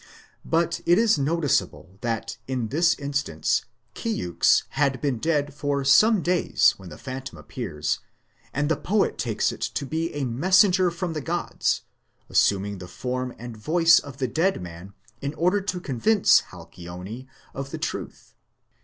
But it is noticeable that in this instance Ceyx had been dead for some days when the phantom appears, and the poet takes it to be a messenger from the gods, assuming the form and voice of the dead man in order to convince Alcyone of the truth.